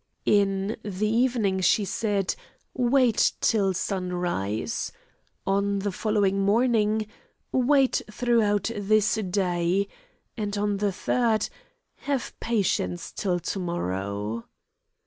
In the evening she said: "Wait till sunrise:" on the following morning "Wait throughout this day," and on the third, "Have patience till to morrow."